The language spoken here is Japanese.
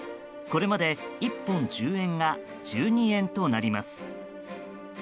これまで１本１０円が１２円となります。